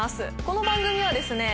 この番組はですね